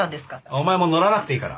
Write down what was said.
お前も乗らなくていいから。